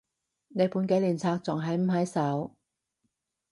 你本紀念冊仲喺唔喺手？